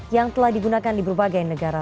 yang telah digunakan di berbagai negara